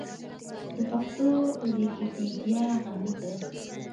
د پښتو ويکيپېډيا غني کړئ.